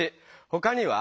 ほかには？